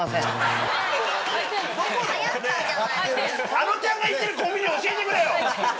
あのちゃんが行ってるコンビニ教えてくれよ！